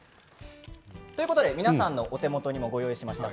皆さんのお手元にもご用意しました。